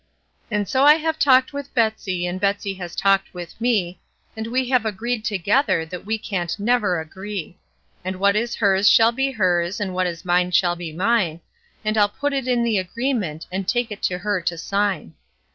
And so I have talked with Betsey, and Betsey has talked with me, And we have agreed together that we can't never agree; And what is hers shall be hers, and what is mine shall be mine; And I'll put it in the agreement, and take it to her to sign.